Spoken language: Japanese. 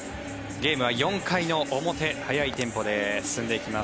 ゲームは４回の表速いテンポで進んでいきます